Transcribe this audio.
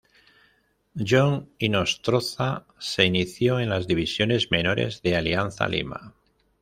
John Hinostroza se inició en las divisiones menores de Alianza Lima.